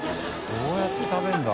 こうやって食べるんだ。